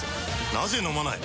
なぜ飲まない？